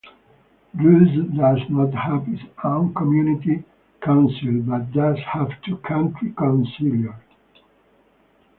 Rhoose does not have its own community council but does have two county councillors.